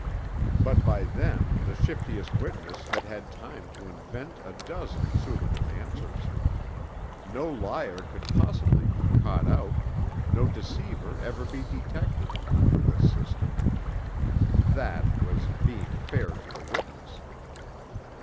But by then the shiftiest witness had had time to invent a dozen suitable answers. No liar could possibly be caught out no deceiver ever be detected under this system. That was 'being fair to the witness.'